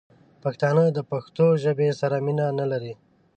پښتانه دپښتو ژبې سره مینه نه لري